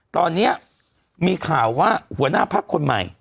ตอนนี้มีข่าวว่าหัวหน้าพักคนใหม่